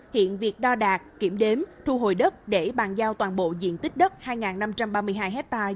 hiện việc đo đạt kiểm đếm thu hồi đất để bàn giao toàn bộ diện tích đất hai năm trăm ba mươi hai hectare